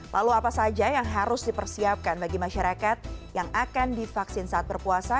lalu apa saja yang harus dipersiapkan bagi masyarakat yang akan divaksin saat berpuasa